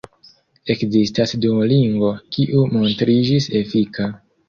Ekzistas Duolingo, kiu montriĝis efika.